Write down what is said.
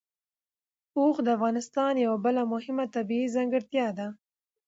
اوښ د افغانستان یوه بله مهمه طبیعي ځانګړتیا ده.